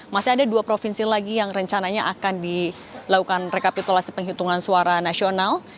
masih ada dua provinsi lagi yang rencananya akan dilakukan rekapitulasi penghitungan suara nasional